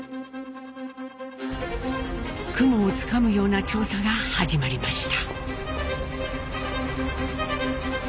雲をつかむような調査が始まりました。